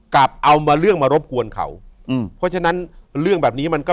กลับเอาเรื่องมารบกวนเขา